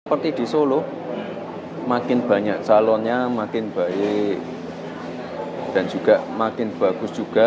seperti di solo makin banyak calonnya makin baik dan juga makin bagus juga